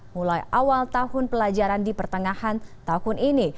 mulai awal tahun pelajaran di pertengahan tahun ini